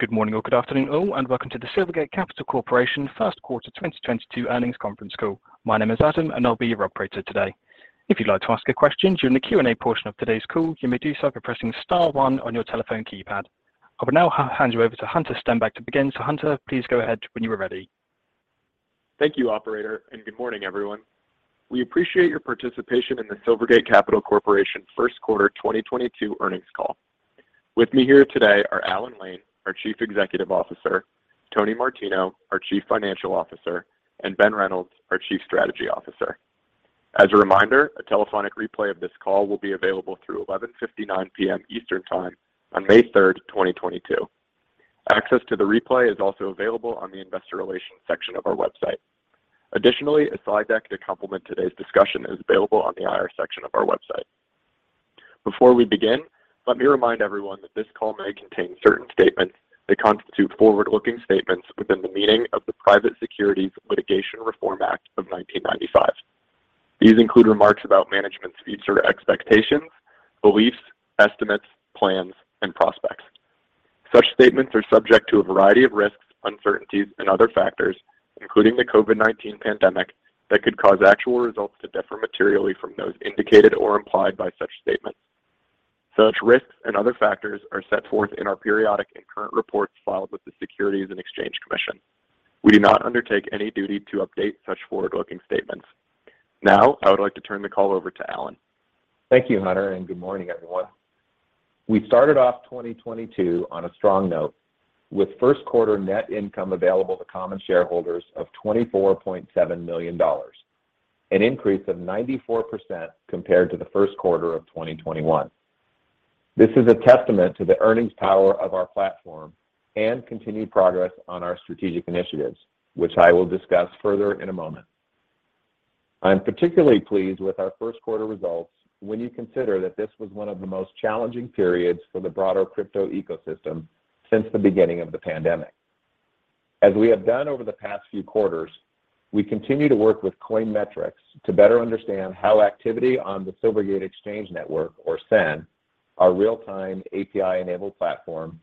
Good morning or good afternoon all, and welcome to the Silvergate Capital Corporation first quarter 2022 earnings conference call. My name is Adam, and I'll be your operator today. If you'd like to ask a question during the Q&A portion of today's call, you may do so by pressing star one on your telephone keypad. I will now hand you over to Hunter Stenback to begin. Hunter, please go ahead when you are ready. Thank you, operator, and good morning, everyone. We appreciate your participation in the Silvergate Capital Corporation first quarter 2022 earnings call. With me here today are Alan Lane, our Chief Executive Officer, Tony Martino, our Chief Financial Officer, and Ben Reynolds, our Chief Strategy Officer. As a reminder, a telephonic replay of this call will be available through 11:59 P.M. Eastern Time on May 3rd, 2022. Access to the replay is also available on the investor relations section of our website. Additionally, a slide deck to complement today's discussion is available on the IR section of our website. Before we begin, let me remind everyone that this call may contain certain statements that constitute forward-looking statements within the meaning of the Private Securities Litigation Reform Act of 1995. These include remarks about management's future expectations, beliefs, estimates, plans, and prospects. Such statements are subject to a variety of risks, uncertainties, and other factors, including the COVID-19 pandemic that could cause actual results to differ materially from those indicated or implied by such statements. Such risks and other factors are set forth in our periodic and current reports filed with the Securities and Exchange Commission. We do not undertake any duty to update such forward-looking statements. Now, I would like to turn the call over to Alan. Thank you, Hunter, and good morning, everyone. We started off 2022 on a strong note with first quarter net income available to common shareholders of $24.7 million, an increase of 94% compared to the first quarter of 2021. This is a testament to the earnings power of our platform and continued progress on our strategic initiatives, which I will discuss further in a moment. I'm particularly pleased with our first quarter results when you consider that this was one of the most challenging periods for the broader crypto ecosystem since the beginning of the pandemic. As we have done over the past few quarters, we continue to work with Coin Metrics to better understand how activity on the Silvergate Exchange Network, or SEN, our real-time API-enabled platform,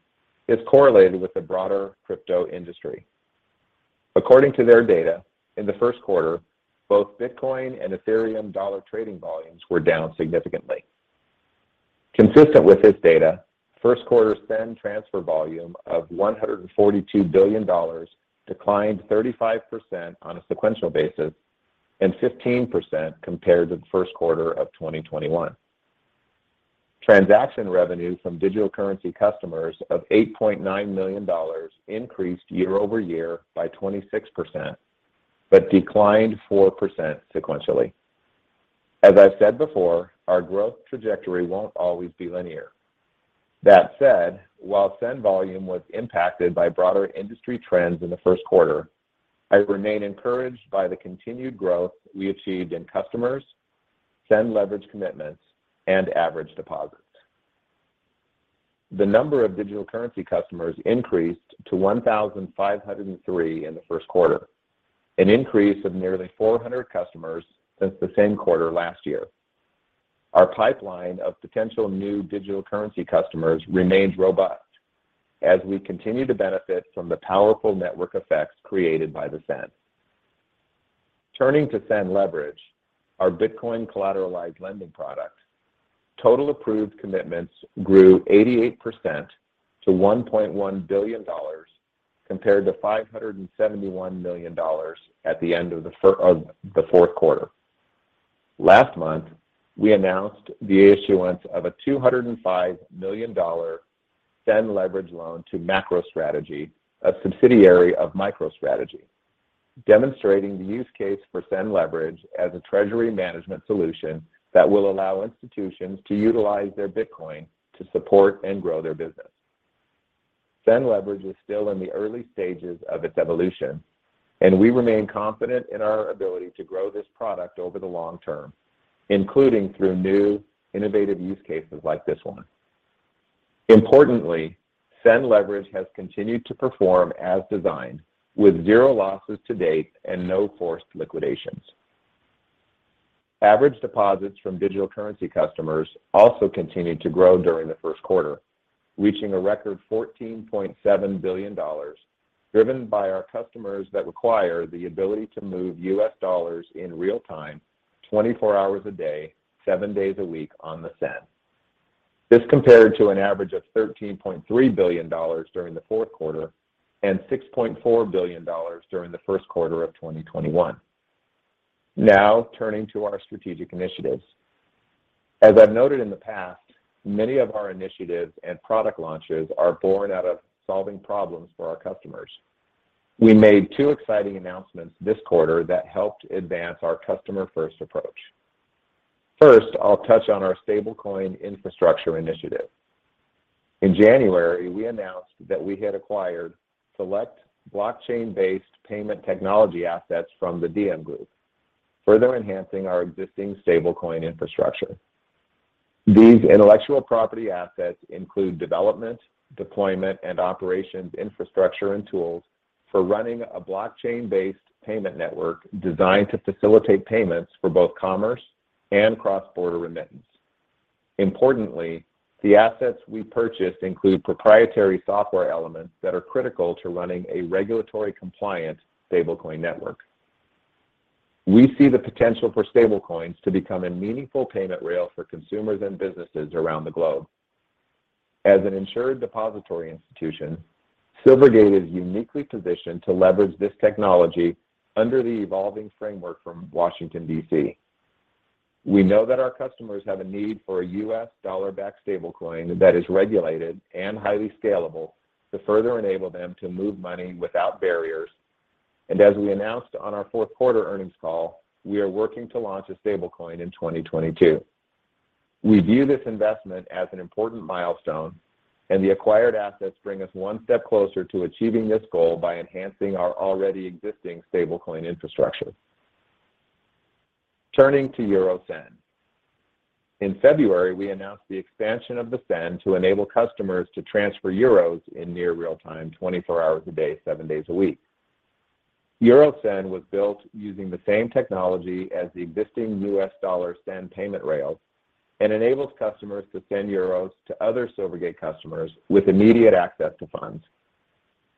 is correlated with the broader crypto industry. According to their data, in the first quarter, both Bitcoin and Ethereum dollar trading volumes were down significantly. Consistent with this data, first quarter SEN transfer volume of $142 billion declined 35% on a sequential basis and 15% compared to the first quarter of 2021. Transaction revenue from digital currency customers of $8.9 million increased year-over-year by 26%, but declined 4% sequentially. As I've said before, our growth trajectory won't always be linear. That said, while SEN volume was impacted by broader industry trends in the first quarter, I remain encouraged by the continued growth we achieved in customers, SEN Leverage commitments, and average deposits. The number of digital currency customers increased to 1,503 in the first quarter, an increase of nearly 400 customers since the same quarter last year. Our pipeline of potential new digital currency customers remains robust as we continue to benefit from the powerful network effects created by the SEN. Turning to SEN Leverage, our Bitcoin collateralized lending product, total approved commitments grew 88% to $1.1 billion compared to $571 million at the end of the fourth quarter. Last month, we announced the issuance of a $205 million SEN Leverage loan to MacroStrategy, a subsidiary of MicroStrategy, demonstrating the use case for SEN Leverage as a treasury management solution that will allow institutions to utilize their Bitcoin to support and grow their business. SEN Leverage is still in the early stages of its evolution, and we remain confident in our ability to grow this product over the long term, including through new innovative use cases like this one. Importantly, SEN Leverage has continued to perform as designed with zero losses to date and no forced liquidations. Average deposits from digital currency customers also continued to grow during the first quarter, reaching a record $14.7 billion, driven by our customers that require the ability to move U.S. dollars in real time, twenty-four hours a day, seven days a week on the SEN. This compared to an average of $13.3 billion during the fourth quarter and $6.4 billion during the first quarter of 2021. Now, turning to our strategic initiatives. As I've noted in the past, many of our initiatives and product launches are born out of solving problems for our customers. We made two exciting announcements this quarter that helped advance our customer-first approach. First, I'll touch on our stablecoin infrastructure initiative. In January, we announced that we had acquired select blockchain-based payment technology assets from the Diem Group, further enhancing our existing stablecoin infrastructure. These intellectual property assets include development, deployment, and operations infrastructure and tools for running a blockchain-based payment network designed to facilitate payments for both commerce and cross-border remittance. Importantly, the assets we purchased include proprietary software elements that are critical to running a regulatory compliant stablecoin network. We see the potential for stablecoins to become a meaningful payment rail for consumers and businesses around the globe. As an insured depository institution, Silvergate is uniquely positioned to leverage this technology under the evolving framework from Washington, D.C. We know that our customers have a need for a U.S. dollar-backed stablecoin that is regulated and highly scalable to further enable them to move money without barriers. As we announced on our fourth quarter earnings call, we are working to launch a stablecoin in 2022. We view this investment as an important milestone, and the acquired assets bring us one step closer to achieving this goal by enhancing our already existing stablecoin infrastructure. Turning to Euro SEN. In February, we announced the expansion of the SEN to enable customers to transfer euros in near real time, 24 hours a day, seven days a week. Euro SEN was built using the same technology as the existing U.S. dollar SEN payment rails and enables customers to send euros to other Silvergate customers with immediate access to funds.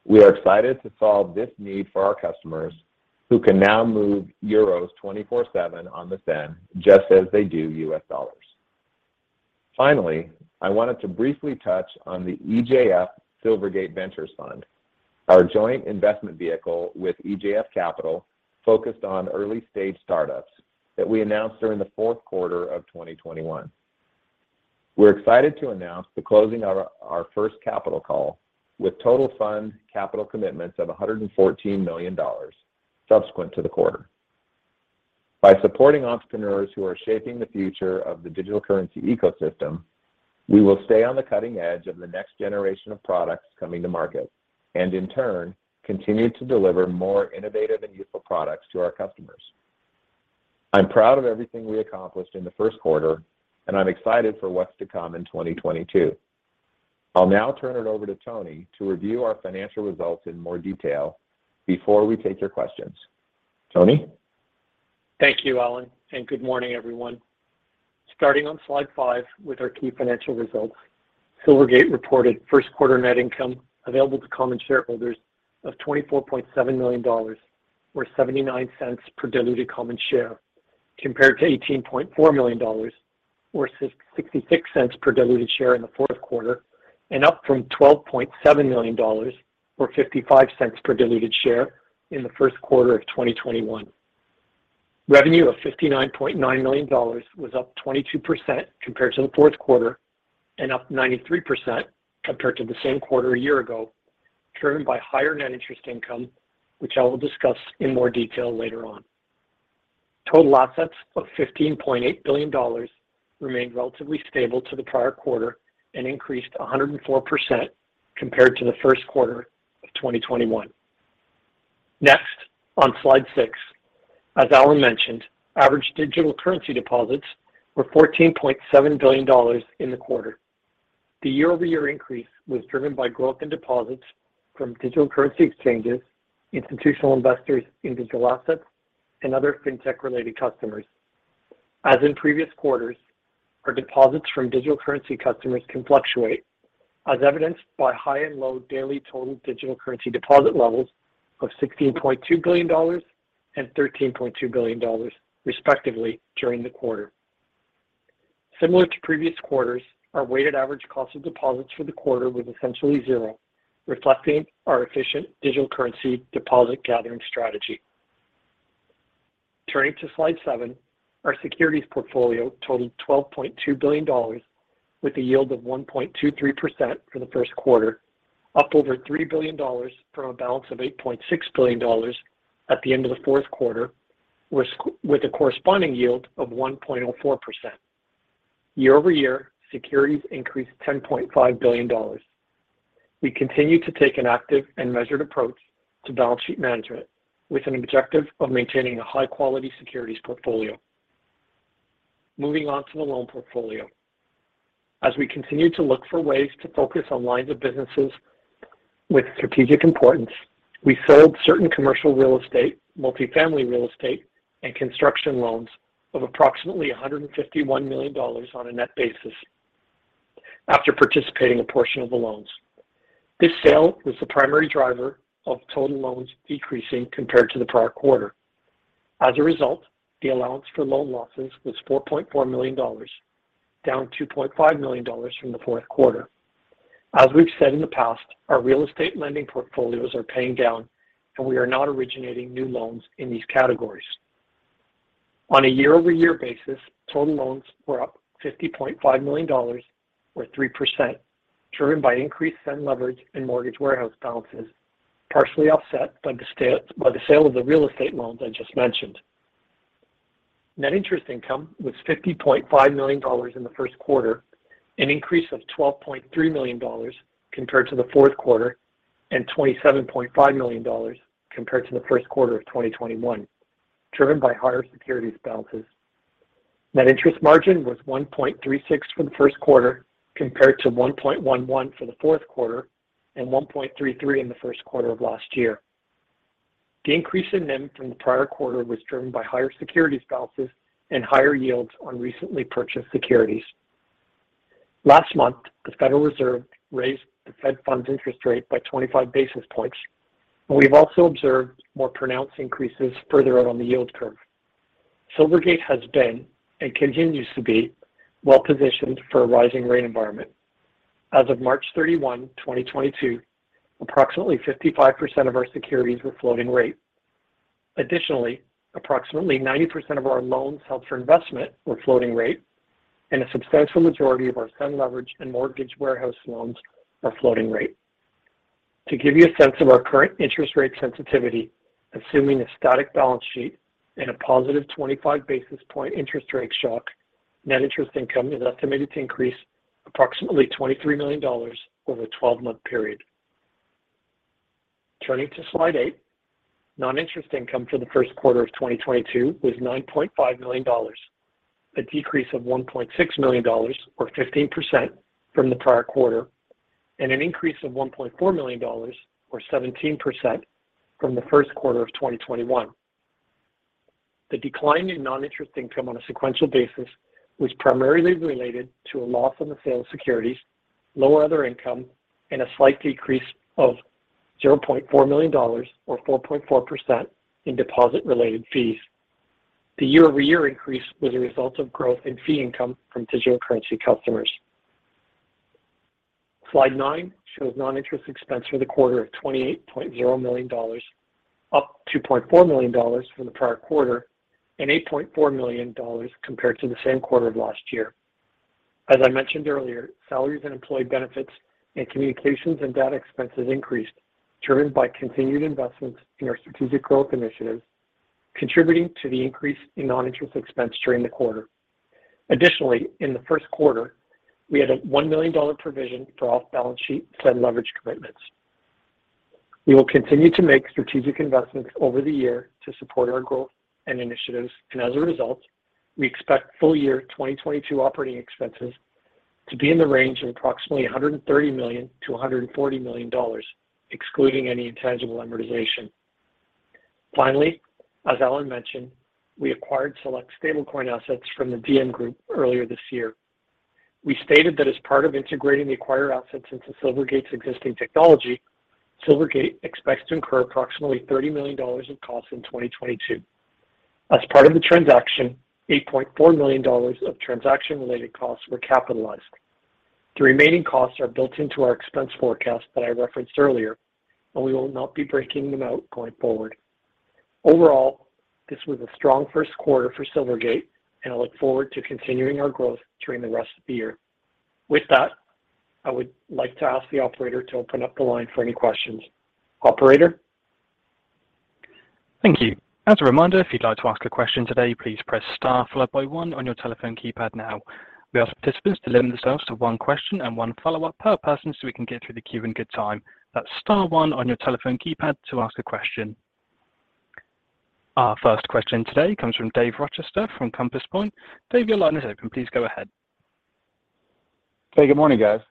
We are excited to solve this need for our customers who can now move euros 24/7 on the SEN just as they do U.S. dollars. Finally, I wanted to briefly touch on the EJF Silvergate Ventures Fund, our joint investment vehicle with EJF Capital focused on early-stage startups that we announced during the fourth quarter of 2021. We're excited to announce the closing of our first capital call with total fund capital commitments of $114 million subsequent to the quarter. By supporting entrepreneurs who are shaping the future of the digital currency ecosystem, we will stay on the cutting edge of the next generation of products coming to market and in turn, continue to deliver more innovative and useful products to our customers. I'm proud of everything we accomplished in the first quarter, and I'm excited for what's to come in 2022. I'll now turn it over to Tony to review our financial results in more detail before we take your questions. Tony? Thank you, Alan, and good morning, everyone. Starting on slide five with our key financial results, Silvergate reported first quarter net income available to common shareholders of $24.7 million or $0.79 per diluted common share compared to $18.4 million or $0.66 per diluted share in the fourth quarter and up from $12.7 million or $0.55 per diluted share in the first quarter of 2021. Revenue of $59.9 million was up 22% compared to the fourth quarter and up 93% compared to the same quarter a year ago, driven by higher net interest income, which I will discuss in more detail later on. Total assets of $15.8 billion remained relatively stable to the prior quarter and increased 104% compared to the first quarter of 2021. Next, on slide six, as Alan mentioned, average digital currency deposits were $14.7 billion in the quarter. The year-over-year increase was driven by growth in deposits from digital currency exchanges, institutional investors in digital assets, and other fintech-related customers. As in previous quarters, our deposits from digital currency customers can fluctuate as evidenced by high and low daily total digital currency deposit levels of $16.2 billion and $13.2 billion, respectively, during the quarter. Similar to previous quarters, our weighted average cost of deposits for the quarter was essentially zero, reflecting our efficient digital currency deposit gathering strategy. Turning to slide seven, our securities portfolio totaled $12.2 billion with a yield of 1.23% for the first quarter, up over $3 billion from a balance of $8.6 billion at the end of the fourth quarter with a corresponding yield of 1.04%. Year-over-year, securities increased $10.5 billion. We continue to take an active and measured approach to balance sheet management with an objective of maintaining a high-quality securities portfolio. Moving on to the loan portfolio. As we continue to look for ways to focus on lines of businesses with strategic importance, we sold certain commercial real estate, multifamily real estate, and construction loans of approximately $151 million on a net basis after participating a portion of the loans. This sale was the primary driver of total loans decreasing compared to the prior quarter. As a result, the allowance for loan losses was $4.4 million, down $2.5 million from the fourth quarter. As we've said in the past, our real estate lending portfolios are paying down, and we are not originating new loans in these categories. On a year-over-year basis, total loans were up $50.5 million or 3%, driven by increased SEN Leverage and mortgage warehouse balances, partially offset by the sale of the real estate loans I just mentioned. Net interest income was $50.5 million in the first quarter, an increase of $12.3 million compared to the fourth quarter and $27.5 million compared to the first quarter of 2021, driven by higher securities balances. Net interest margin was 1.36% for the first quarter compared to 1.11% for the fourth quarter and 1.33% in the first quarter of last year. The increase in NIM from the prior quarter was driven by higher securities balances and higher yields on recently purchased securities. Last month, the Federal Reserve raised the fed funds interest rate by 25 basis points. We've also observed more pronounced increases further out on the yield curve. Silvergate has been, and continues to be, well-positioned for a rising rate environment. As of March 31st, 2022, approximately 55% of our securities were floating rate. Additionally, approximately 90% of our loans held for investment were floating rate, and a substantial majority of our SEN Leverage and mortgage warehouse loans are floating rate. To give you a sense of our current interest rate sensitivity, assuming a static balance sheet and a +25 basis point interest rate shock, net interest income is estimated to increase approximately $23 million over a 12-month period. Turning to slide eight. Non-interest income for the first quarter of 2022 was $9.5 million, a decrease of $1.6 million or 15% from the prior quarter, and an increase of $1.4 million or 17% from the first quarter of 2021. The decline in non-interest income on a sequential basis was primarily related to a loss on the sale of securities, lower other income, and a slight decrease of $0.4 million or 4.4% in deposit-related fees. The year-over-year increase was a result of growth in fee income from digital currency customers. Slide nine shows non-interest expense for the quarter of $28.0 million, up $2.4 million from the prior quarter and $8.4 million compared to the same quarter of last year. As I mentioned earlier, salaries and employee benefits and communications and data expenses increased, driven by continued investments in our strategic growth initiatives, contributing to the increase in non-interest expense during the quarter. Additionally, in the first quarter, we had a $1 million provision for off-balance sheet SEN leverage commitments. We will continue to make strategic investments over the year to support our growth and initiatives, and as a result, we expect full year 2022 operating expenses to be in the range of approximately $130 million-$140 million, excluding any intangible amortization. Finally, as Alan mentioned, we acquired select stablecoin assets from the Diem Group earlier this year. We stated that as part of integrating the acquired assets into Silvergate's existing technology, Silvergate expects to incur approximately $30 million in costs in 2022. As part of the transaction, $8.4 million of transaction-related costs were capitalized. The remaining costs are built into our expense forecast that I referenced earlier, and we will not be breaking them out going forward. Overall, this was a strong first quarter for Silvergate, and I look forward to continuing our growth during the rest of the year. With that, I would like to ask the operator to open up the line for any questions. Operator? Thank you. As a reminder, if you'd like to ask a question today, please press star followed by one on your telephone keypad now. We ask participants to limit themselves to one question and one follow-up per person so we can get through the queue in good time. That's star one on your telephone keypad to ask a question. Our first question today comes from Dave Rochester from Compass Point. Dave, your line is open. Please go ahead. Hey, good morning, guys.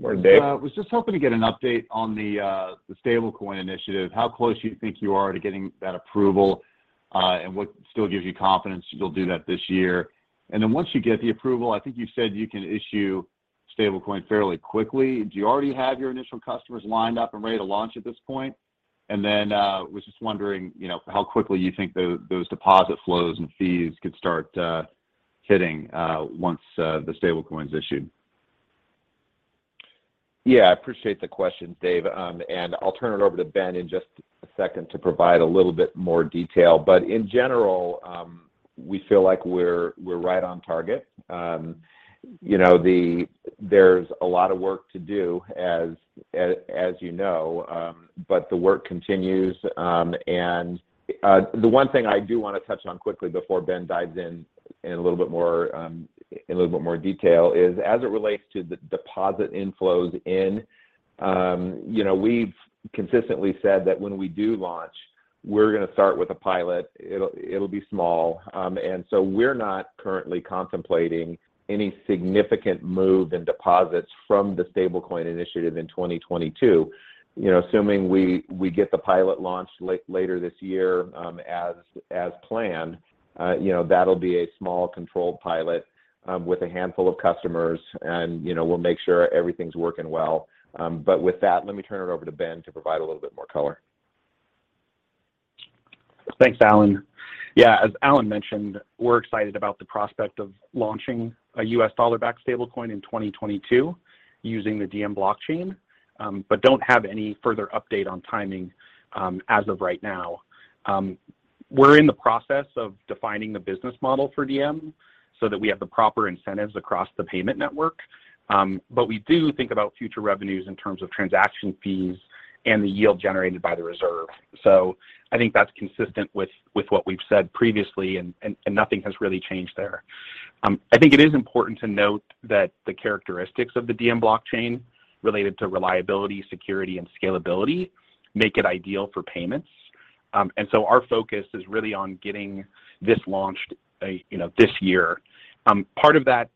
Morning, Dave. Was just hoping to get an update on the stable coin initiative, how close you think you are to getting that approval, and what still gives you confidence you'll do that this year. Once you get the approval, I think you said you can issue stable coin fairly quickly. Do you already have your initial customers lined up and ready to launch at this point? Was just wondering, you know, how quickly you think those deposit flows and fees could start hitting once the stable coin is issued. Yeah, I appreciate the questions, Dave. I'll turn it over to Ben in just a second to provide a little bit more detail. In general, we feel like we're right on target. You know, there's a lot of work to do, as you know, but the work continues. The one thing I do want to touch on quickly before Ben dives in in a little bit more detail is as it relates to the deposit inflows. You know, we've consistently said that when we do launch, we're going to start with a pilot. It'll be small. We're not currently contemplating any significant move in deposits from the stablecoin initiative in 2022. You know, assuming we get the pilot launched later this year, as planned, you know, that'll be a small controlled pilot, with a handful of customers and, you know, we'll make sure everything's working well. With that, let me turn it over to Ben to provide a little bit more color. Thanks, Alan. Yeah, as Alan mentioned, we're excited about the prospect of launching a U.S. dollar-backed stablecoin in 2022 using the Diem blockchain, but don't have any further update on timing, as of right now. We're in the process of defining the business model for Diem so that we have the proper incentives across the payment network. But we do think about future revenues in terms of transaction fees and the yield generated by the reserve. So I think that's consistent with what we've said previously and nothing has really changed there. I think it is important to note that the characteristics of the Diem blockchain related to reliability, security, and scalability make it ideal for payments. Our focus is really on getting this launched, you know, this year. Part of that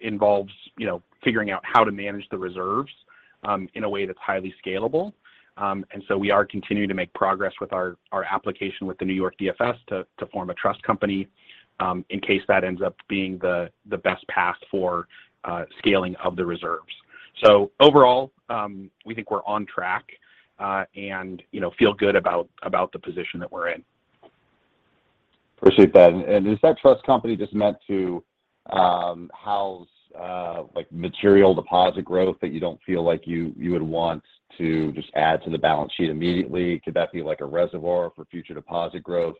involves, you know, figuring out how to manage the reserves in a way that's highly scalable. We are continuing to make progress with our application with the New York DFS to form a trust company in case that ends up being the best path for scaling of the reserves. Overall, we think we're on track, and, you know, feel good about the position that we're in. Appreciate that. Is that trust company just meant to house like material deposit growth that you don't feel like you would want to just add to the balance sheet immediately? Could that be like a reservoir for future deposit growth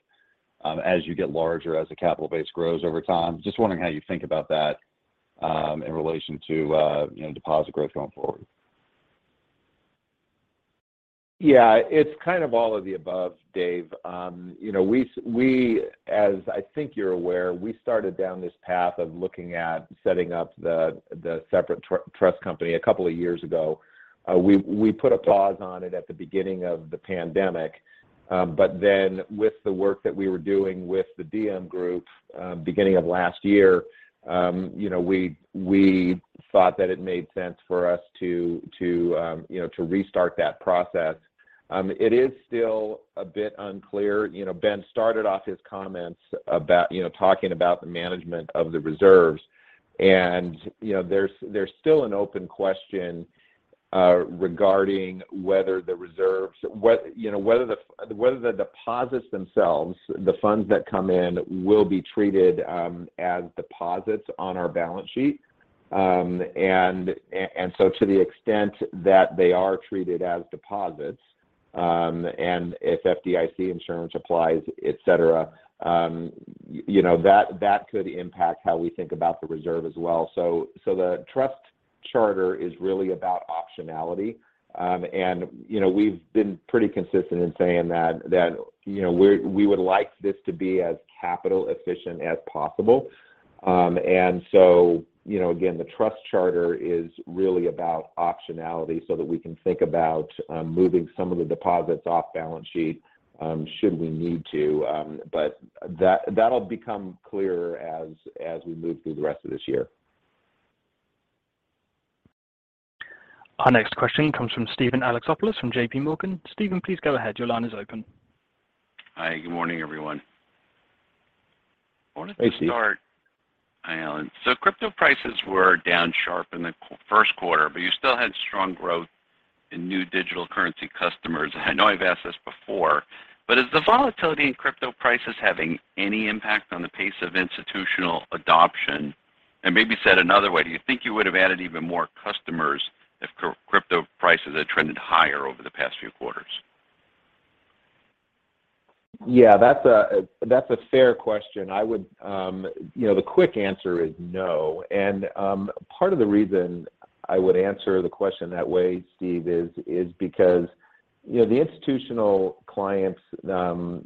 as you get larger, as the capital base grows over time? Just wondering how you think about that in relation to you know deposit growth going forward. Yeah. It's kind of all of the above, Dave. You know, we as I think you're aware, we started down this path of looking at setting up the separate trust company a couple of years ago. We put a pause on it at the beginning of the pandemic, but then with the work that we were doing with the Diem Group, beginning of last year, you know, we thought that it made sense for us to restart that process. It is still a bit unclear. You know, Ben started off his comments about, you know, talking about the management of the reserves and, you know, there's still an open question regarding whether the reserves. Whether the deposits themselves, the funds that come in will be treated as deposits on our balance sheet. To the extent that they are treated as deposits, and if FDIC insurance applies, etc., you know, that could impact how we think about the reserve as well. The trust charter is really about optionality, and, you know, we've been pretty consistent in saying that, you know, we would like this to be as capital efficient as possible. You know, again, the trust charter is really about optionality so that we can think about moving some of the deposits off balance sheet, should we need to. That'll become clearer as we move through the rest of this year. Our next question comes from Steven Alexopoulos from JPMorgan. Steven, please go ahead. Your line is open. Hi. Good morning, everyone. Morning, Steve. Hi, Alan. Crypto prices were down sharp in the first quarter, but you still had strong growth in new digital currency customers. I know I've asked this before, but is the volatility in crypto prices having any impact on the pace of institutional adoption? Maybe said another way, do you think you would have added even more customers if crypto prices had trended higher over the past few quarters? Yeah, that's a fair question. I would. You know, the quick answer is no. Part of the reason I would answer the question that way, Steve, is because, you know, the institutional clients, the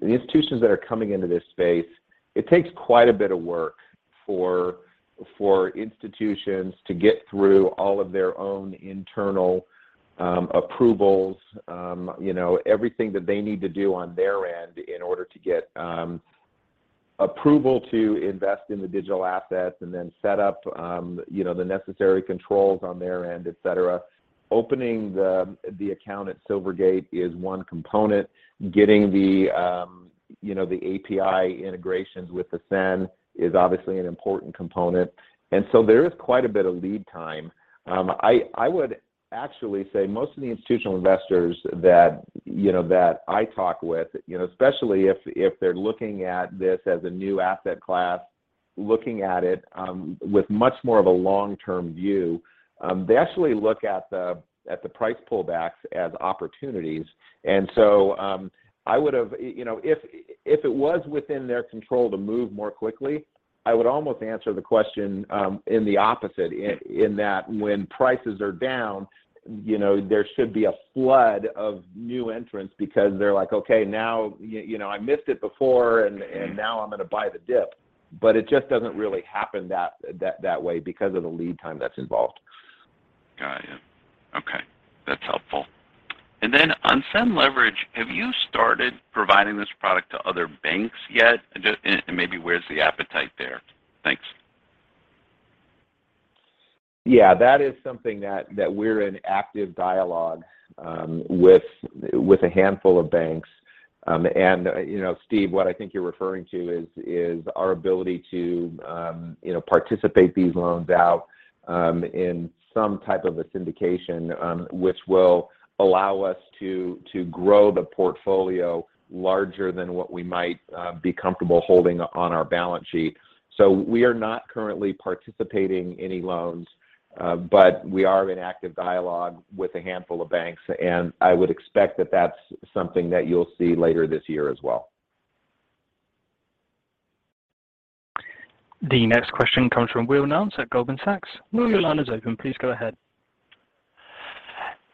institutions that are coming into this space, it takes quite a bit of work for institutions to get through all of their own internal approvals, you know, everything that they need to do on their end in order to get approval to invest in the digital assets and then set up, you know, the necessary controls on their end, etc. Opening the account at Silvergate is one component. Getting the API integrations with SEN is obviously an important component, and so there is quite a bit of lead time. I would actually say most of the institutional investors that, you know, that I talk with, you know, especially if they're looking at this as a new asset class, looking at it with much more of a long-term view, they actually look at the price pullbacks as opportunities. You know, if it was within their control to move more quickly, I would almost answer the question in the opposite, in that when prices are down, you know, there should be a flood of new entrants because they're like, Okay, now, you know, I missed it before and now I'm gonna buy the dip. It just doesn't really happen that way because of the lead time that's involved. Got it. Okay. That's helpful. On SEN Leverage, have you started providing this product to other banks yet? Maybe where's the appetite there? Thanks. Yeah. That is something that we're in active dialogue with a handful of banks. You know, Steve, what I think you're referring to is our ability to participate these loans out in some type of a syndication, which will allow us to grow the portfolio larger than what we might be comfortable holding on our balance sheet. We are not currently participating any loans, but we are in active dialogue with a handful of banks, and I would expect that that's something that you'll see later this year as well. The next question comes from Will Nance at Goldman Sachs. Will, your line is open. Please go ahead.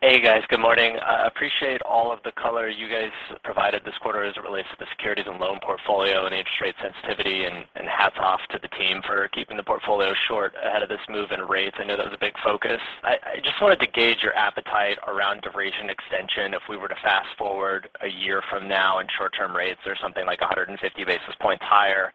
Hey, guys. Good morning. I appreciate all of the color you guys provided this morning. As it relates to the securities and loan portfolio and interest rate sensitivity, hats off to the team for keeping the portfolio short ahead of this move in rates. I know that was a big focus. I just wanted to gauge your appetite around duration extension if we were to fast forward a year from now and short-term rates are something like 150 basis points higher.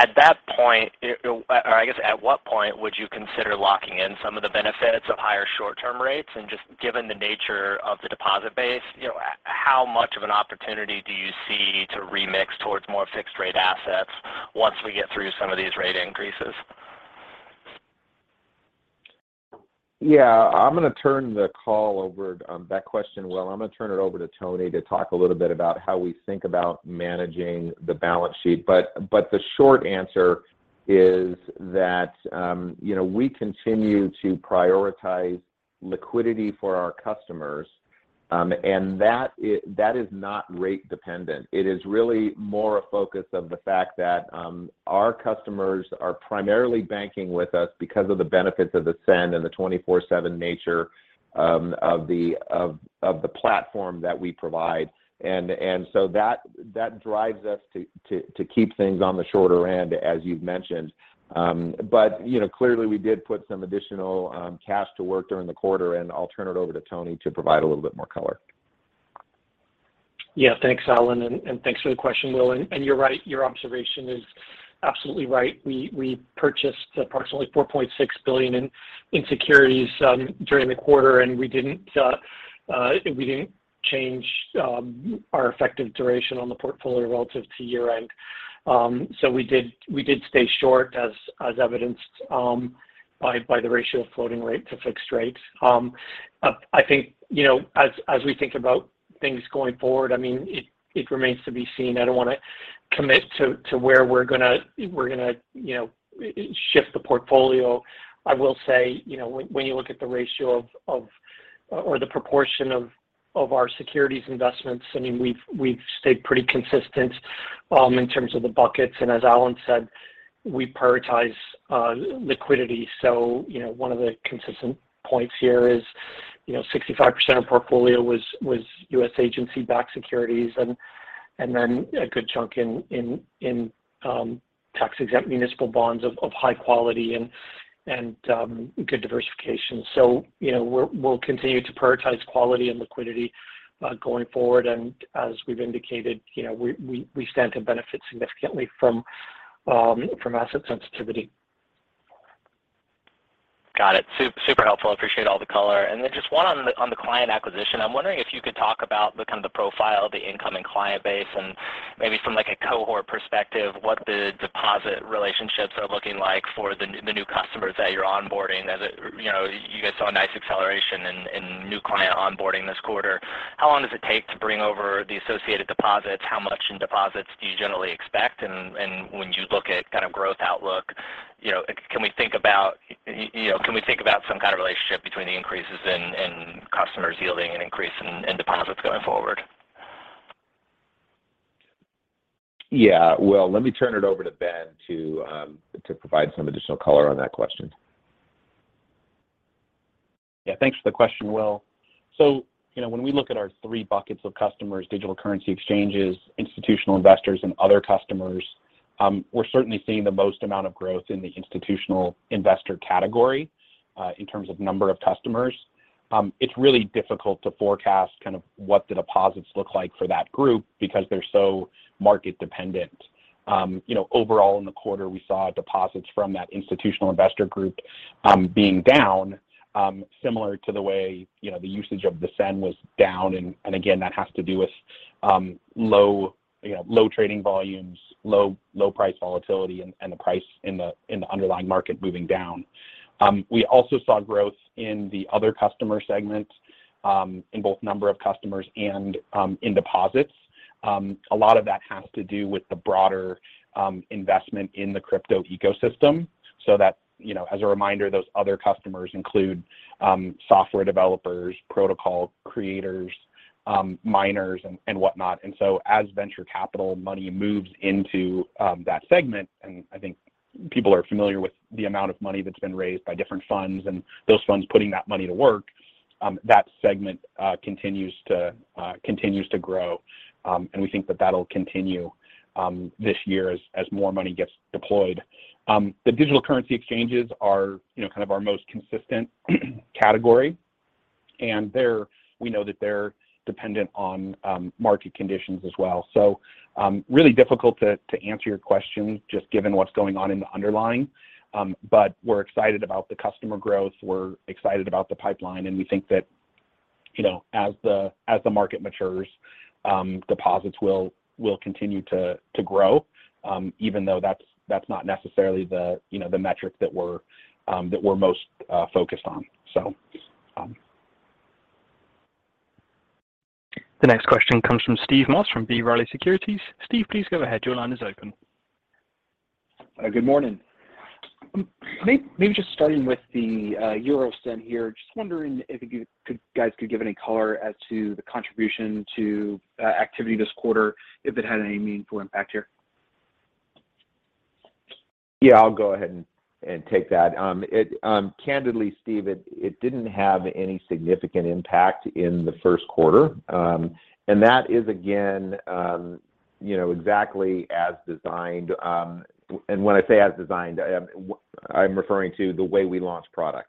At that point. Or I guess at what point would you consider locking in some of the benefits of higher short-term rates? Just given the nature of the deposit base, you know, how much of an opportunity do you see to remix towards more fixed rate assets once we get through some of these rate increases? Yeah. That question, Will, I'm gonna turn it over to Tony to talk a little bit about how we think about managing the balance sheet. The short answer is that, you know, we continue to prioritize liquidity for our customers, and that is not rate dependent. It is really more a focus of the fact that our customers are primarily banking with us because of the benefits of SEN and the 24/7 nature of the platform that we provide. That drives us to keep things on the shorter end, as you've mentioned. You know, clearly we did put some additional cash to work during the quarter, and I'll turn it over to Tony to provide a little bit more color. Yeah. Thanks, Alan, and thanks for the question, Will. You're right, your observation is absolutely right. We purchased approximately $4.6 billion in securities during the quarter, and we didn't change our effective duration on the portfolio relative to year-end. We stayed short as evidenced by the ratio of floating rate to fixed rates. I think, you know, as we think about things going forward, I mean, it remains to be seen. I don't wanna commit to where we're gonna shift the portfolio, you know. I will say, you know, when you look at the ratio or the proportion of our securities investments, I mean, we've stayed pretty consistent in terms of the buckets. As Alan said, we prioritize liquidity. You know, one of the consistent points here is, you know, 65% of portfolio was U.S. agency-backed securities and then a good chunk in tax-exempt municipal bonds of high quality and good diversification. You know, we'll continue to prioritize quality and liquidity going forward. As we've indicated, you know, we stand to benefit significantly from asset sensitivity. Got it. Super helpful. Appreciate all the color. Then just one on the client acquisition. I'm wondering if you could talk about the kind of profile of the incoming client base and maybe from like a cohort perspective, what the deposit relationships are looking like for the new customers that you're onboarding. You know, you guys saw a nice acceleration in new client onboarding this quarter. How long does it take to bring over the associated deposits? How much in deposits do you generally expect? And when you look at kind of growth outlook, you know, can we think about, you know, can we think about some kind of relationship between the increases in customers yielding an increase in deposits going forward? Yeah. Will, let me turn it over to Ben to provide some additional color on that question. Yeah. Thanks for the question, Will. You know, when we look at our three buckets of customers, digital currency exchanges, institutional investors, and other customers, we're certainly seeing the most amount of growth in the institutional investor category in terms of number of customers. It's really difficult to forecast kind of what the deposits look like for that group because they're so market dependent. You know, overall in the quarter, we saw deposits from that institutional investor group being down similar to the way you know the usage of the SEN was down. Again, that has to do with low you know low trading volumes, low price volatility and the price in the underlying market moving down. We also saw growth in the other customer segment in both number of customers and in deposits. A lot of that has to do with the broader investment in the crypto ecosystem. That, you know, as a reminder, those other customers include software developers, protocol creators, miners and whatnot. As venture capital money moves into that segment, and I think people are familiar with the amount of money that's been raised by different funds and those funds putting that money to work, that segment continues to grow. We think that that'll continue this year as more money gets deployed. The digital currency exchanges are, you know, kind of our most consistent category, and they're, we know that they're dependent on market conditions as well. Really difficult to answer your question just given what's going on in the underlying. We're excited about the customer growth. We're excited about the pipeline, and we think that, you know, as the market matures, deposits will continue to grow, even though that's not necessarily the, you know, the metric that we're most focused on. The next question comes from Steve Moss from B. Riley Securities. Steve, please go ahead. Your line is open. Good morning. Maybe just starting with the Euro SEN here. Just wondering if you guys could give any color as to the contribution to activity this quarter, if it had any meaningful impact here. Yeah, I'll go ahead and take that. Candidly, Steve, it didn't have any significant impact in the first quarter. That is again, you know, exactly as designed. When I say as designed, I'm referring to the way we launch product.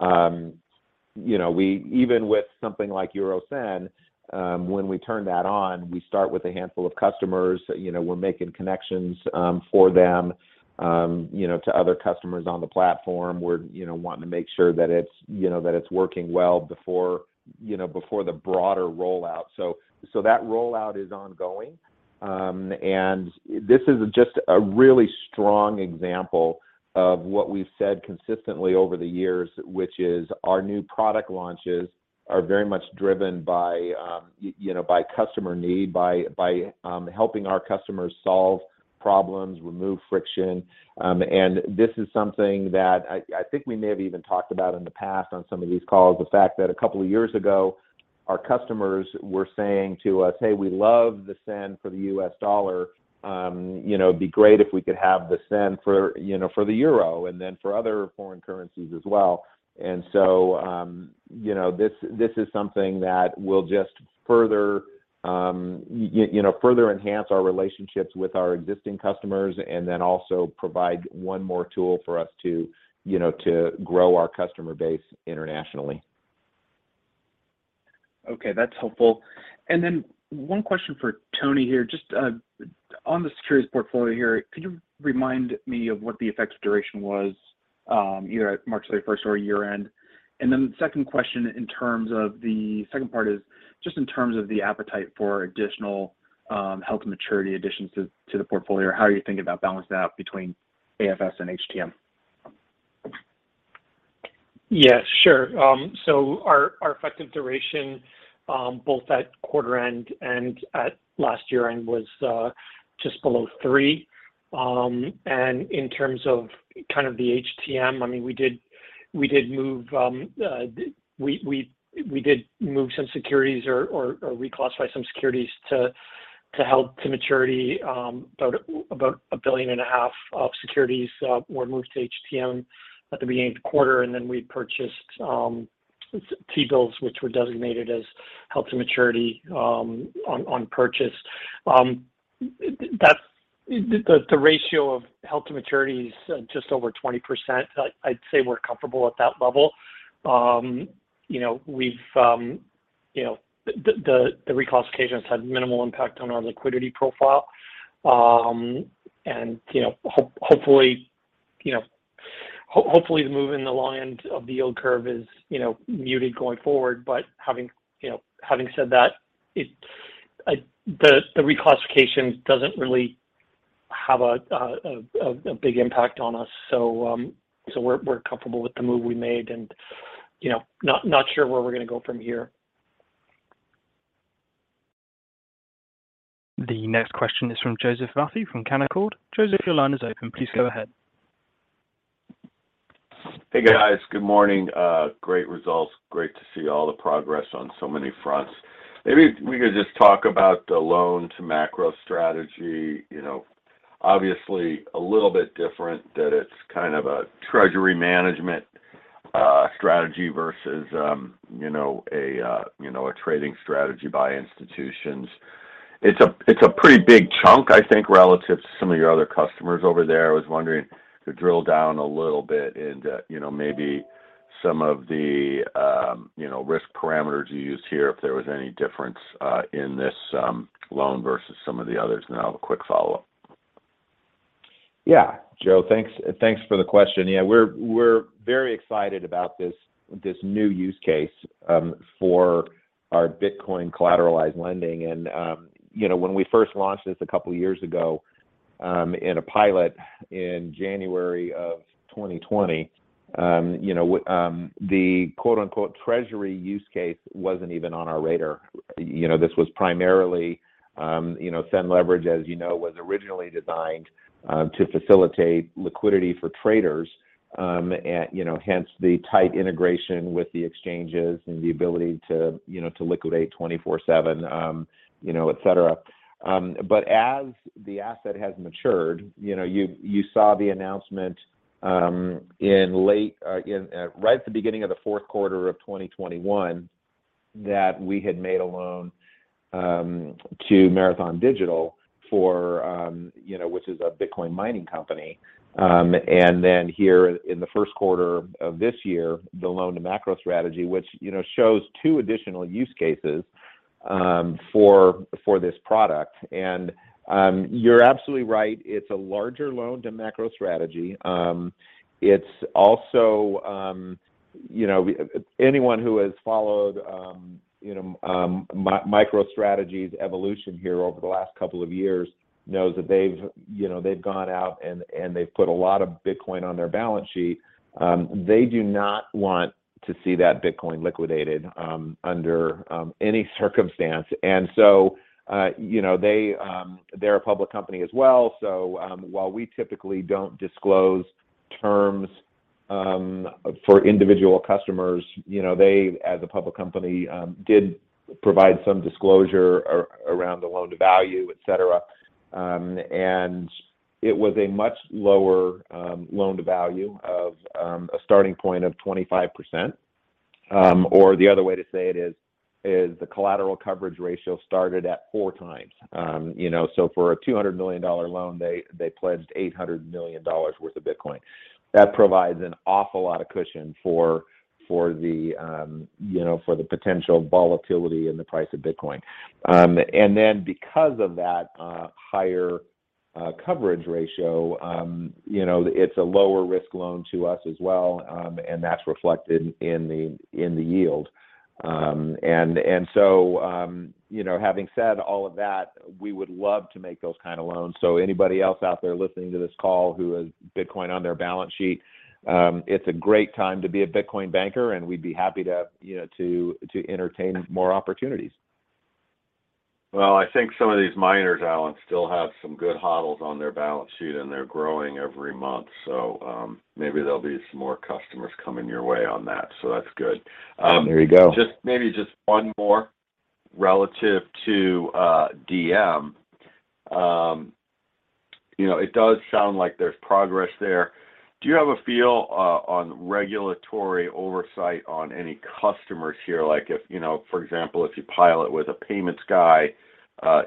You know, even with something like Euro SEN, when we turn that on, we start with a handful of customers, you know, we're making connections for them, you know, to other customers on the platform. We're, you know, wanting to make sure that it's working well before, you know, before the broader rollout. That rollout is ongoing. This is just a really strong example of what we've said consistently over the years, which is our new product launches are very much driven by you know, by customer need, by helping our customers solve problems, remove friction. This is something that I think we may have even talked about in the past on some of these calls, the fact that a couple of years ago, our customers were saying to us, hey, we love the SEN for the U.S. dollar. You know, it'd be great if we could have the SEN for, you know, for the euro, and then for other foreign currencies as well. This is something that will just further enhance our relationships with our existing customers, and then also provide one more tool for us to, you know, to grow our customer base internationally. Okay, that's helpful. One question for Tony here. Just on the securities portfolio here, could you remind me of what the effective duration was, either at March 31st or year-end? The second part is just in terms of the appetite for additional held-to-maturity additions to the portfolio, how are you thinking about balancing that between AFS and HTM? Yes, sure. So our effective duration both at quarter end and at last year end was just below three. And in terms of kind of the HTM, I mean, we did move some securities or reclassify some securities to held to maturity, about $1.5 billion of securities were moved to HTM at the beginning of the quarter, and then we purchased T-bills, which were designated as held to maturity on purchase. That's the ratio of held to maturity is just over 20%. I'd say we're comfortable at that level. You know, we've you know. The reclassifications had minimal impact on our liquidity profile. You know, hopefully, you know, the move in the long end of the yield curve is, you know, muted going forward. Having said that, you know, the reclassification doesn't really have a big impact on us. We're comfortable with the move we made and, you know, not sure where we're gonna go from here. The next question is from Joseph Vafi from Canaccord. Joseph, your line is open. Please go ahead. Hey, guys. Good morning. Great results. Great to see all the progress on so many fronts. Maybe if we could just talk about the loan to MicroStrategy. You know, obviously a little bit different that it's kind of a treasury management strategy versus, you know, a trading strategy by institutions. It's a pretty big chunk, I think, relative to some of your other customers over there. I was wondering if you could drill down a little bit into, you know, maybe some of the, you know, risk parameters you used here, if there was any difference, in this, loan versus some of the others. Then I'll have a quick follow-up. Yeah. Joe, thanks for the question. Yeah, we're very excited about this new use case for our Bitcoin collateralized lending. You know, when we first launched this a couple years ago in a pilot in January of 2020, you know, the quote-unquote treasury use case wasn't even on our radar. You know, this was primarily, you know, SEN Leverage, as you know, was originally designed to facilitate liquidity for traders, and, you know, hence the tight integration with the exchanges and the ability to, you know, to liquidate 24/7, you know, etc. As the asset has matured, you know, you saw the announcement in late, right at the beginning of the fourth quarter of 2021 that we had made a loan to Marathon Digital, you know, which is a Bitcoin mining company. Here in the first quarter of this year, the loan to MicroStrategy, which, you know, shows two additional use cases for this product. You're absolutely right. It's a larger loan to MicroStrategy. It's also, you know, anyone who has followed MicroStrategy's evolution here over the last couple of years knows that they've gone out and they've put a lot of Bitcoin on their balance sheet. They do not want to see that Bitcoin liquidated under any circumstance. They’re a public company as well. While we typically don't disclose terms for individual customers, you know, they as a public company did provide some disclosure around the loan-to-value, etc. It was a much lower loan-to-value of a starting point of 25%. Or the other way to say it is the collateral coverage ratio started at 4x. You know, so for a $200 million loan, they pledged $800 million worth of Bitcoin. That provides an awful lot of cushion for the potential volatility in the price of Bitcoin. Because of that higher coverage ratio, you know, it's a lower risk loan to us as well, and that's reflected in the yield. Having said all of that, we would love to make those kind of loans. Anybody else out there listening to this call who has Bitcoin on their balance sheet, it's a great time to be a Bitcoin banker, and we'd be happy to, you know, to entertain more opportunities. Well, I think some of these miners, Alan, still have some good holds on their balance sheet, and they're growing every month. Maybe there'll be some more customers coming your way on that, so that's good. There you go. Maybe just one more relative to Diem. You know, it does sound like there's progress there. Do you have a feel on regulatory oversight on any customers here? Like if, you know, for example, if you pilot with a payments guy,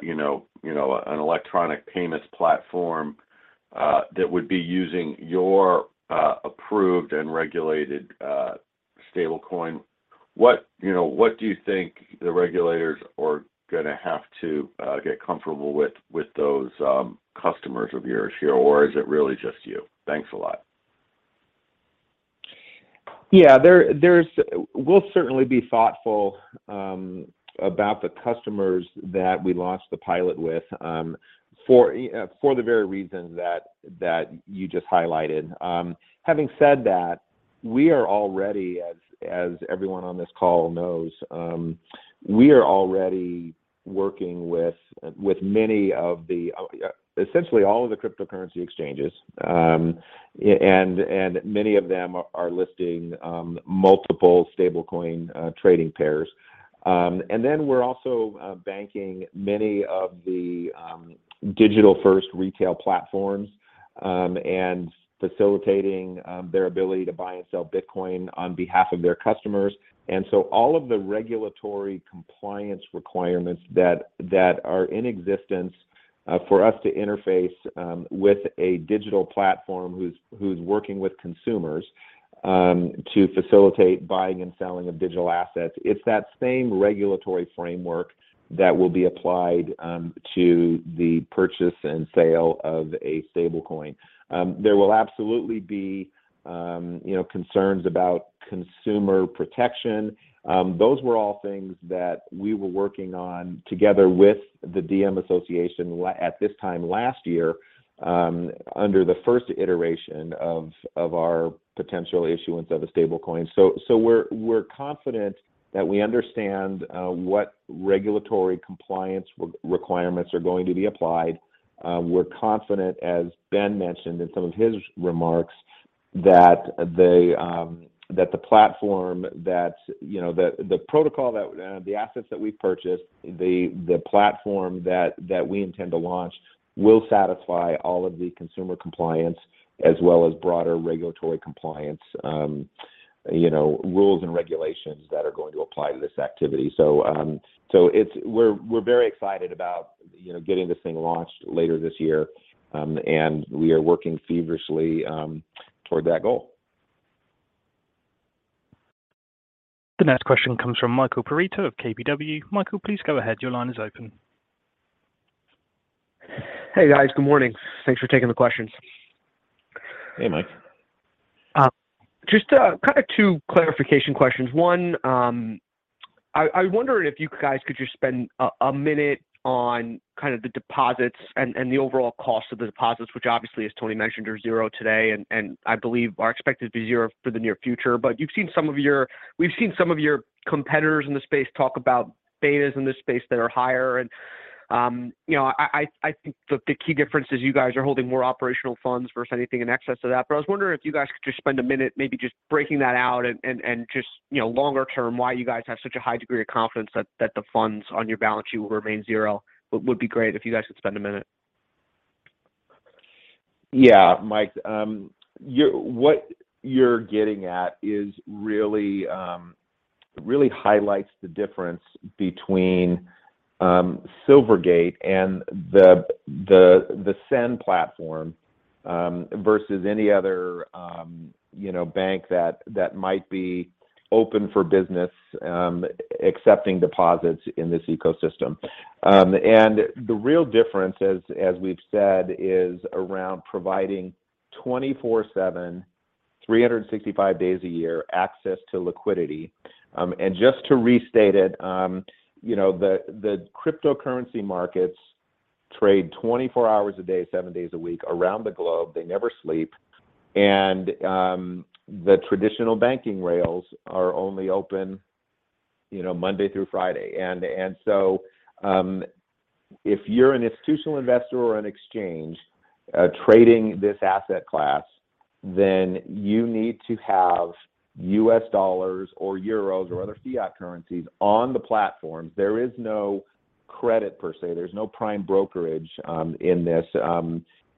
you know, an electronic payments platform that would be using your approved and regulated stablecoin, what, you know, what do you think the regulators are gonna have to get comfortable with those customers of yours here, or is it really just you? Thanks a lot. Yeah. We'll certainly be thoughtful about the customers that we launch the pilot with for the very reason that you just highlighted. Having said that, we are already, as everyone on this call knows, working with essentially all of the cryptocurrency exchanges. Many of them are listing multiple stablecoin trading pairs. We're also banking many of the digital-first retail platforms and facilitating their ability to buy and sell Bitcoin on behalf of their customers. All of the regulatory compliance requirements that are in existence for us to interface with a digital platform who's working with consumers to facilitate buying and selling of digital assets, it's that same regulatory framework that will be applied to the purchase and sale of a stablecoin. There will absolutely be, you know, concerns about consumer protection. Those were all things that we were working on together with the Diem Association at this time last year under the first iteration of our potential issuance of a stablecoin. We're confident that we understand what regulatory compliance requirements are going to be applied. We're confident, as Ben mentioned in some of his remarks, that the platform that. You know, the assets that we purchased, the platform that we intend to launch will satisfy all of the consumer compliance as well as broader regulatory compliance, you know, rules and regulations that are going to apply to this activity. We're very excited about you know, getting this thing launched later this year. We are working feverishly toward that goal. The next question comes from Michael Perito of KBW. Michael, please go ahead. Your line is open. Hey, guys. Good morning. Thanks for taking the questions. Hey, Mike. Just kind of two clarification questions. One, I wonder if you guys could just spend a minute on kind of the deposits and the overall cost of the deposits, which obviously, as Tony Martino mentioned, are zero today and I believe are expected to be zero for the near future. We've seen some of your competitors in the space talk about betas in this space that are higher and, you know, I think the key difference is you guys are holding more operational funds versus anything in excess of that. I was wondering if you guys could just spend a minute maybe just breaking that out and just, you know, longer term, why you guys have such a high degree of confidence that the funds on your balance sheet will remain zero. Would be great if you guys could spend a minute. Yeah. Mike, you're. What you're getting at is really, really highlights the difference between Silvergate and the SEN platform versus any other, you know, bank that might be open for business, accepting deposits in this ecosystem. The real difference as we've said is around providing 24/7, 365 days a year access to liquidity. Just to restate it, you know, the cryptocurrency markets trade 24 hours a day, seven days a week around the globe. They never sleep. The traditional banking rails are only open. You know, Monday through Friday. If you're an institutional investor or an exchange trading this asset class, then you need to have U.S. dollars or euros or other fiat currencies on the platform. There is no credit per se. There's no prime brokerage in this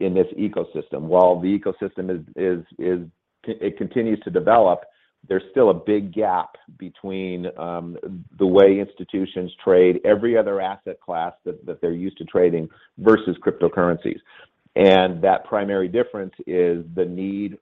ecosystem. While the ecosystem is, it continues to develop, there's still a big gap between the way institutions trade every other asset class that they're used to trading versus cryptocurrencies. That primary difference is the need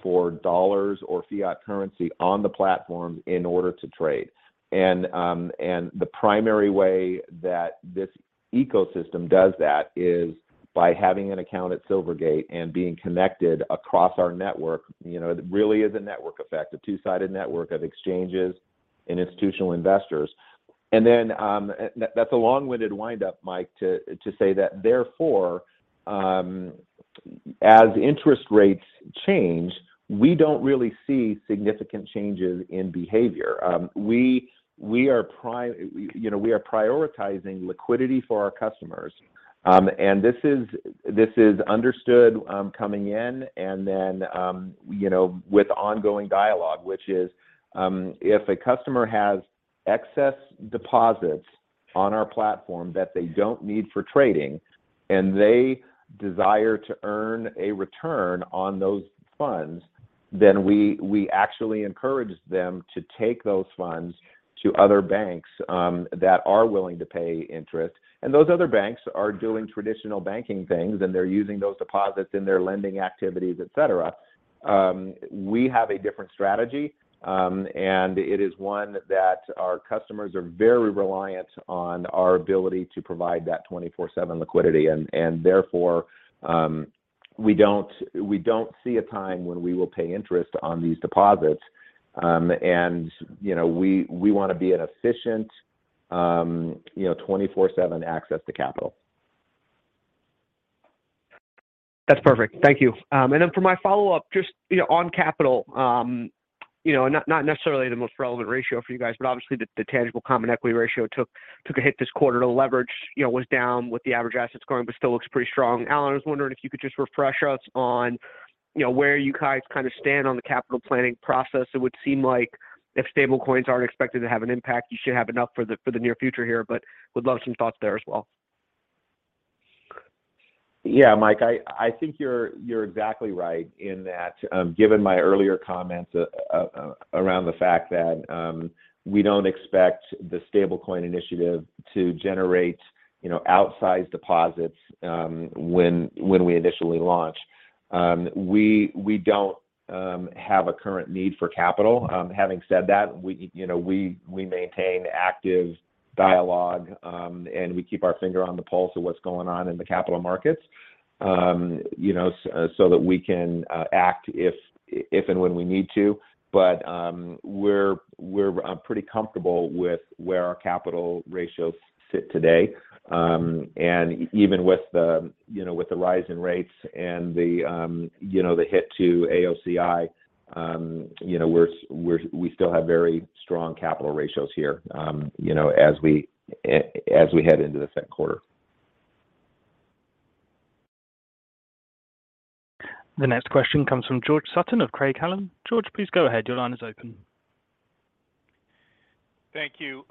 for dollars or fiat currency on the platform in order to trade. The primary way that this ecosystem does that is by having an account at Silvergate and being connected across our network, you know, really is a network effect, a two-sided network of exchanges and institutional investors. That's a long-winded wind-up, Mike, to say that therefore as interest rates change, we don't really see significant changes in behavior. You know, we are prioritizing liquidity for our customers. This is understood coming in and then you know with ongoing dialogue which is if a customer has excess deposits on our platform that they don't need for trading and they desire to earn a return on those funds then we actually encourage them to take those funds to other banks that are willing to pay interest. Those other banks are doing traditional banking things and they're using those deposits in their lending activities etc. We have a different strategy and it is one that our customers are very reliant on our ability to provide that 24/7 liquidity. Therefore we don't see a time when we will pay interest on these deposits. You know we wanna be an efficient you know 24/7 access to capital. That's perfect. Thank you. Then for my follow-up, just, you know, on capital, you know, not necessarily the most relevant ratio for you guys, but obviously the tangible common equity ratio took a hit this quarter. The leverage, you know, was down with the average assets growing, but still looks pretty strong. Alan, I was wondering if you could just refresh us on, you know, where you guys kind of stand on the capital planning process. It would seem like if stablecoins aren't expected to have an impact, you should have enough for the near future here. Would love some thoughts there as well. Yeah, Mike, I think you're exactly right in that, given my earlier comments around the fact that we don't expect the stablecoin initiative to generate, you know, outsized deposits when we initially launch. We don't have a current need for capital. Having said that, we, you know, maintain active dialogue and we keep our finger on the pulse of what's going on in the capital markets, you know, so that we can act if and when we need to. We're pretty comfortable with where our capital ratios sit today. Even with the rise in rates and the hit to AOCI, you know, we're still very strong capital ratios here, you know, as we head into the second quarter. The next question comes from George Sutton of Craig-Hallum. George, please go ahead. Your line is open. Thank you.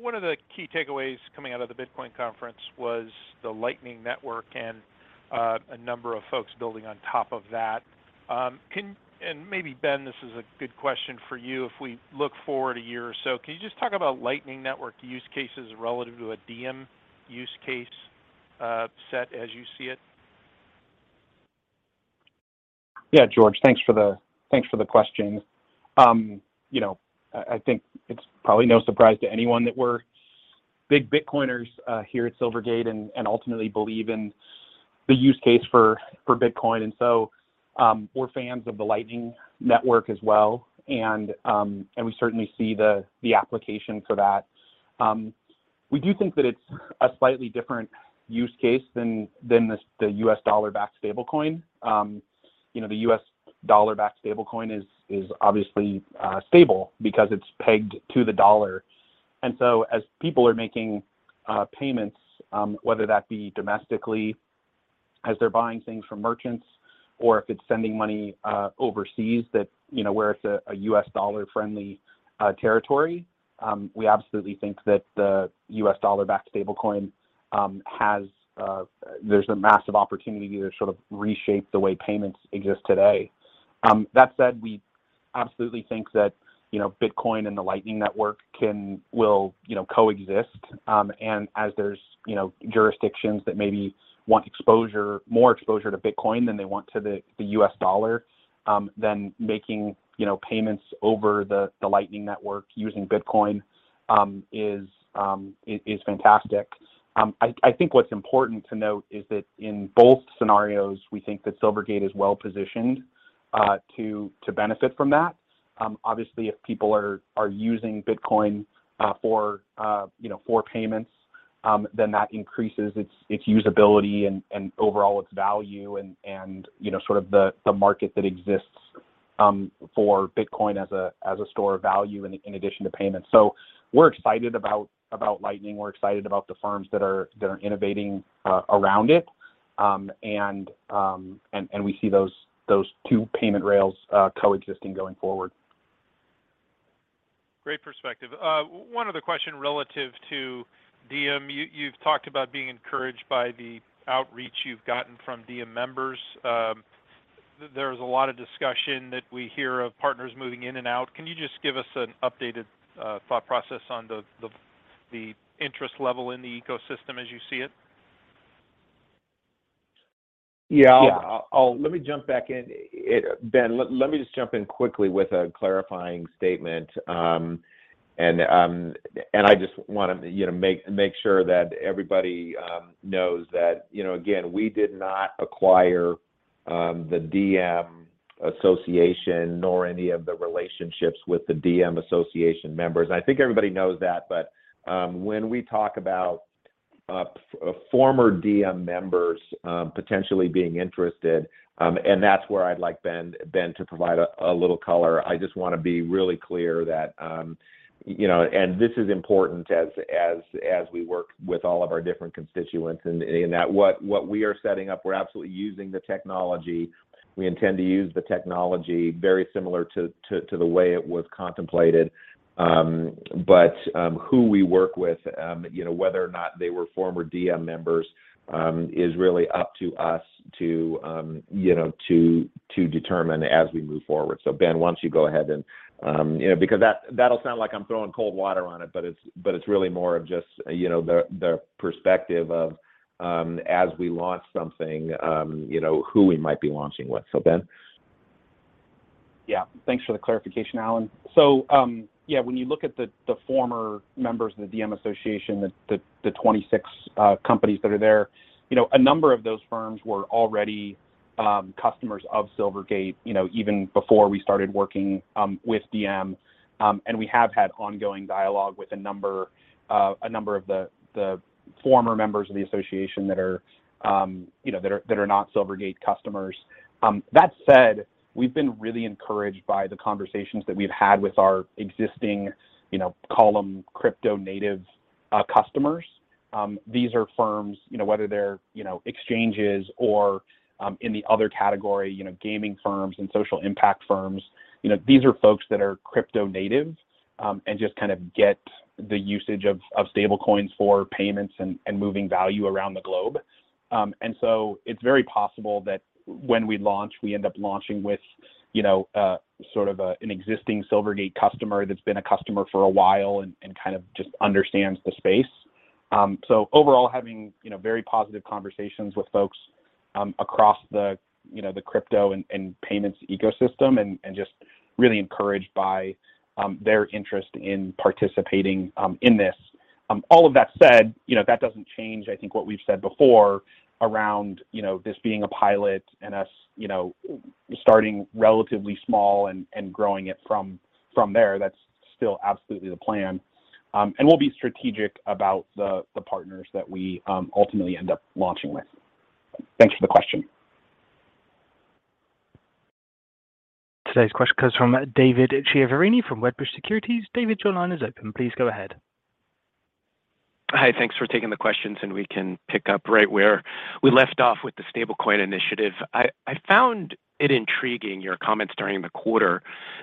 One of the key takeaways coming out of the Bitcoin conference was the Lightning Network and a number of folks building on top of that. Maybe, Ben, this is a good question for you. If we look forward a year or so, can you just talk about Lightning Network use cases relative to a Diem use case set as you see it? Yeah, George. Thanks for the question. You know, I think it's probably no surprise to anyone that we're big Bitcoiners here at Silvergate and ultimately believe in the use case for Bitcoin. We're fans of the Lightning Network as well, and we certainly see the application for that. We do think that it's a slightly different use case than the U.S. dollar-backed stablecoin. You know, the U.S. dollar-backed stablecoin is obviously stable because it's pegged to the dollar. As people are making payments, whether that be domestically as they're buying things from merchants or if it's sending money overseas that, you know, where it's a U.S. dollar-friendly territory, we absolutely think that the U.S. dollar-backed stablecoin has there's a massive opportunity to sort of reshape the way payments exist today. That said, we absolutely think that, you know, Bitcoin and the Lightning Network will, you know, coexist. As there's, you know, jurisdictions that maybe want exposure, more exposure to Bitcoin than they want to the U.S. dollar, then making, you know, payments over the Lightning Network using Bitcoin is fantastic. I think what's important to note is that in both scenarios, we think that Silvergate is well positioned to benefit from that. Obviously, if people are using Bitcoin for you know, for payments then that increases its usability and overall its value and you know, sort of the market that exists for Bitcoin as a store of value in addition to payments. We're excited about Lightning. We're excited about the firms that are innovating around it. We see those two payment rails coexisting going forward. Great perspective. One other question relative to Diem. You've talked about being encouraged by the outreach you've gotten from Diem members. There's a lot of discussion that we hear of partners moving in and out. Can you just give us an updated thought process on the interest level in the ecosystem as you see it? Yeah. Yeah. Let me jump back in. Ben, let me just jump in quickly with a clarifying statement. And I just wanna, you know, make sure that everybody knows that, you know, again, we did not acquire the Diem Association nor any of the relationships with the Diem Association members. I think everybody knows that, but when we talk about former Diem members potentially being interested, and that's where I'd like Ben to provide a little color. I just wanna be really clear that, you know, and this is important as we work with all of our different constituents and that what we are setting up, we're absolutely using the technology. We intend to use the technology very similar to the way it was contemplated. Who we work with, you know, whether or not they were former Diem members, is really up to us to, you know, to determine as we move forward. Ben, why don't you go ahead and, you know, because that'll sound like I'm throwing cold water on it, but it's really more of just, you know, the perspective of, as we launch something, you know, who we might be launching with. Ben? Yeah. Thanks for the clarification, Alan. So, yeah, when you look at the former members of the Diem Association, the 26 companies that are there, you know, a number of those firms were already customers of Silvergate, you know, even before we started working with Diem. We have had ongoing dialogue with a number of the former members of the association that are, you know, that are not Silvergate customers. That said, we've been really encouraged by the conversations that we've had with our existing, you know, call them crypto native customers. These are firms, you know, whether they're, you know, exchanges or in the other category, you know, gaming firms and social impact firms. You know, these are folks that are crypto natives and just kind of get the usage of stablecoins for payments and moving value around the globe. It's very possible that when we launch, we end up launching with, you know, sort of an existing Silvergate customer that's been a customer for a while and kind of just understands the space. Overall, having, you know, very positive conversations with folks across the, you know, the crypto and payments ecosystem and just really encouraged by their interest in participating in this. All of that said, you know, that doesn't change, I think, what we've said before around, you know, this being a pilot and us, you know, starting relatively small and growing it from there. That's still absolutely the plan. We'll be strategic about the partners that we ultimately end up launching with. Thanks for the question. Today's question comes from David Chiaverini from Wedbush Securities. David, your line is open. Please go ahead. Hi. Thanks for taking the questions, and we can pick up right where we left off with the stablecoin initiative. I found it intriguing, your comments during the quarter,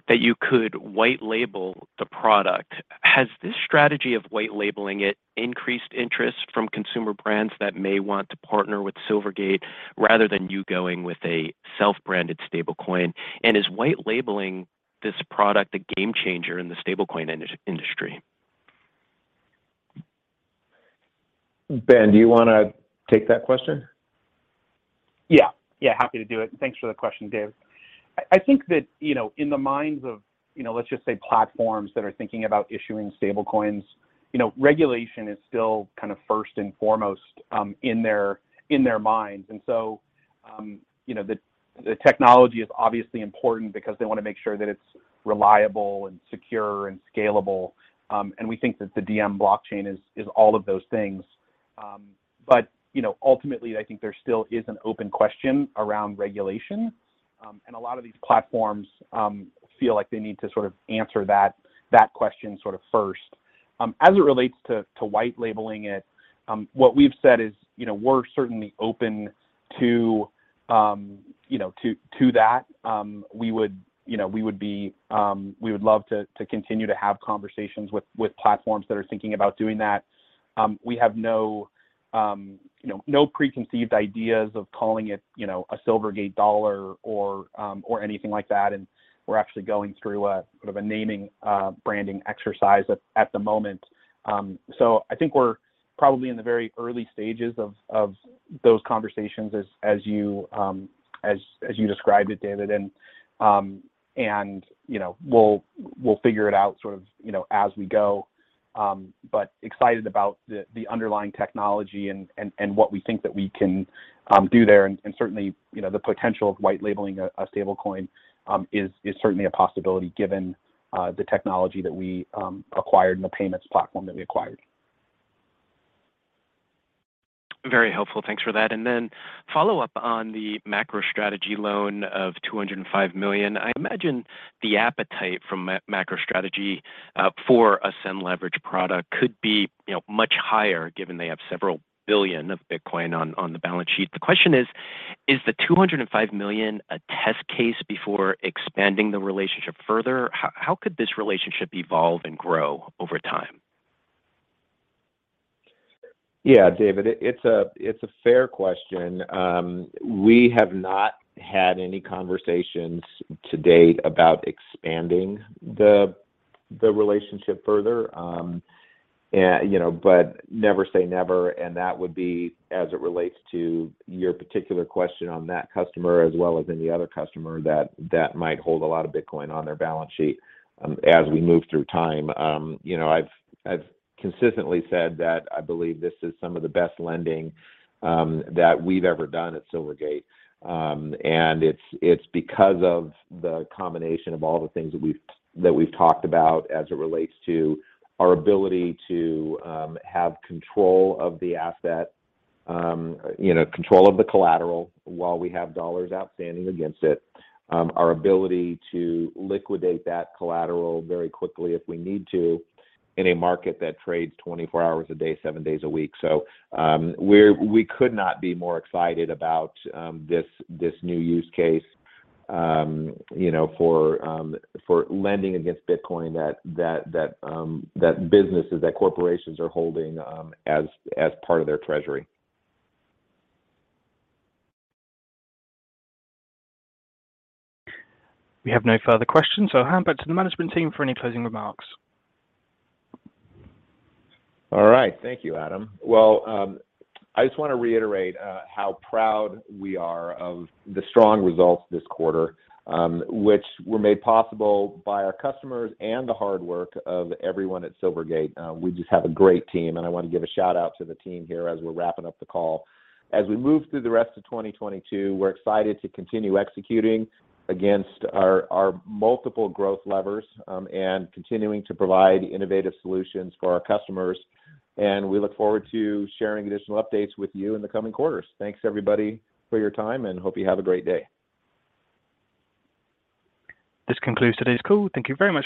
that you could white label the product. Has this strategy of white labeling it increased interest from consumer brands that may want to partner with Silvergate rather than you going with a self-branded stablecoin? Is white labeling this product a game changer in the stablecoin industry? Ben, do you wanna take that question? Yeah. Yeah, happy to do it. Thanks for the question, Dave. I think that, you know, in the minds of, you know, let's just say platforms that are thinking about issuing stablecoins, you know, regulation is still kind of first and foremost in their minds. The technology is obviously important because they wanna make sure that it's reliable and secure and scalable. We think that the Diem blockchain is all of those things. You know, ultimately, I think there still is an open question around regulation. A lot of these platforms feel like they need to sort of answer that question sort of first. As it relates to white labeling it, what we've said is, you know, we're certainly open to that. We would, you know, love to continue to have conversations with platforms that are thinking about doing that. We have no preconceived ideas of calling it, you know, a Silvergate dollar or anything like that, and we're actually going through a sort of a naming branding exercise at the moment. I think we're probably in the very early stages of those conversations as you described it, David. We'll figure it out sort of, you know, as we go. Excited about the underlying technology and what we think that we can do there. Certainly, you know, the potential of white labeling a stablecoin is certainly a possibility given the technology that we acquired and the payments platform that we acquired. Very helpful. Thanks for that. Follow up on the MacroStrategy loan of $205 million. I imagine the appetite from MacroStrategy for a SEN Leverage product could be, you know, much higher given they have several billion of Bitcoin on the balance sheet. The question is the $205 million a test case before expanding the relationship further? How could this relationship evolve and grow over time? Yeah, David, it's a fair question. We have not had any conversations to date about expanding the relationship further. You know, but never say never. That would be as it relates to your particular question on that customer as well as any other customer that might hold a lot of Bitcoin on their balance sheet, as we move through time. You know, I've consistently said that I believe this is some of the best lending that we've ever done at Silvergate. It's because of the combination of all the things that we've talked about as it relates to our ability to have control of the asset, you know, control of the collateral while we have dollars outstanding against it. Our ability to liquidate that collateral very quickly if we need to in a market that trades 24 hours a day, seven days a week. We could not be more excited about this new use case, you know, for lending against Bitcoin that businesses and corporations are holding as part of their treasury. We have no further questions, so I'll hand back to the management team for any closing remarks. All right. Thank you, Adam. Well, I just wanna reiterate how proud we are of the strong results this quarter, which were made possible by our customers and the hard work of everyone at Silvergate. We just have a great team, and I wanna give a shout-out to the team here as we're wrapping up the call. As we move through the rest of 2022, we're excited to continue executing against our multiple growth levers, and continuing to provide innovative solutions for our customers. We look forward to sharing additional updates with you in the coming quarters. Thanks everybody for your time, and hope you have a great day. This concludes today's call. Thank you very much for.